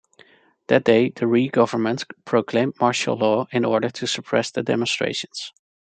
That day the Rhee government proclaimed martial law in order to suppress the demonstrations.